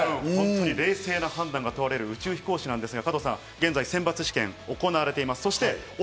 本当に冷静な判断が問われる宇宙飛行士ですが、加藤さん、現在、選抜試験が行われています。